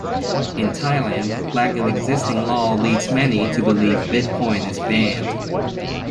In Thailand, lack of existing law leads many to believe Bitcoin is banned.